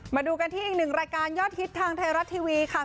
มาดูกันที่อีกหนึ่งรายการยอดฮิตทางไทยรัฐทีวีค่ะ